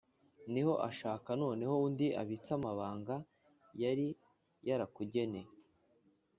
niho ashaka noneho undi abitsa amabanga yari yarakugeneye